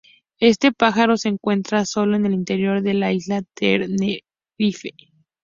Este pájaro se encuentra solo en el interior de la isla de Tenerife.